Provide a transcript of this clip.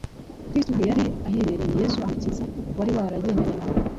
Kristo ubwe yari ahibereye. Yesu, Umukiza, wari waragendanye na bo,